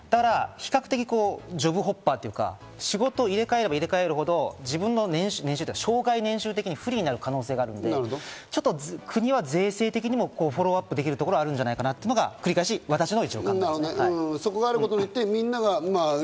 比較的、ジョブホッパーというか、仕事を入れ替えれば入れ替えるほど自分の生涯年収的に不利になる可能性があるので、国は税制的にもフォローアップできるところがあるんじゃないかというのが繰り返し、私の考えです。